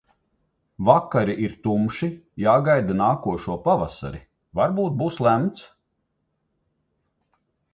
Vakari ir tumši, jāgaida nākošo pavasari – varbūt būs lemts?